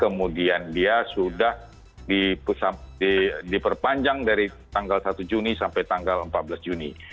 kemudian dia sudah diperpanjang dari tanggal satu juni sampai tanggal empat belas juni